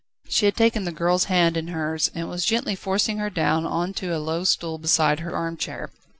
She had taken the girl's hand in hers, and was gently forcing her down on to a low stool beside her armchair.